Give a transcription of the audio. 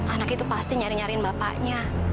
anak itu pasti nyari nyari bapaknya